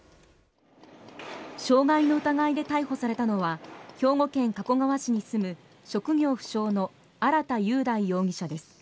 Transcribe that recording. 傷害の疑いで逮捕されたのは兵庫県加古川市に住む職業不詳の荒田佑大容疑者です。